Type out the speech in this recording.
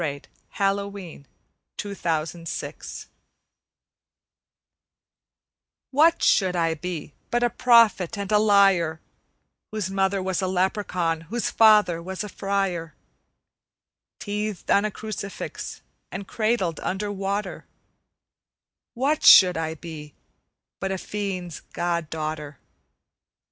The Singing Woman from the Wood's Edge WHAT should I be but a prophet and a liar, Whose mother was a leprechaun, whose father was a friar? Teethed on a crucifix and cradled under water, What should I be but a fiend's god daughter?